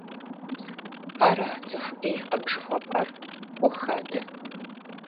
Ара цӀыху Ӏейкъым жыхуэпӀэр? Ӏух адэ!